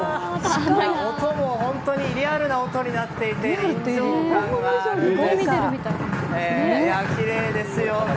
音も本当にリアルな音になっていて、きれいですよね。